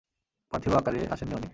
পার্থিব আকারে আসেননি উনি।